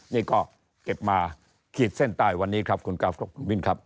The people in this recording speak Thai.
นี่ก็เก็บมาขีดเส้นใต้วันนี้ครับคุณกราฟครับคุณมิ้นครับ